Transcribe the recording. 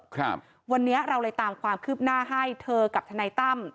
ครับวันนี้เราเลยตามความคืบหน้าให้เธอกับทนายตั้ม